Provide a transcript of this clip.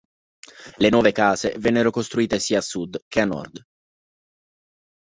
Le nuove case vennero costruite sia a sud che a nord.